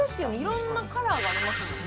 色んなカラーがありますもんね